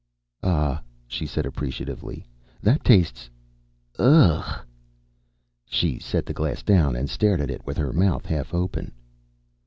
"Ah," she said appreciatively. "That tastes Ugh." She set the glass down and stared at it with her mouth half open.